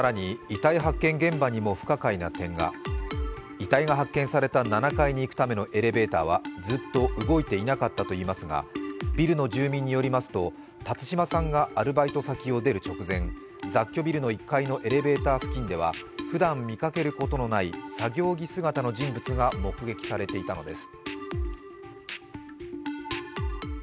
遺体が発見された７階に行くためのエレベーターはずっと動いていなかったといいますが、ビルの住民によりますと、辰島さんがアルバイト先を出る直前、雑居ビル１階のエレベーター付近ではふだん見かけることのない作業着姿の人物が目撃されていたのです。